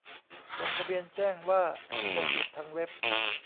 ลงทะเบียนแจ้งว่าจะฉีดทางเว็บ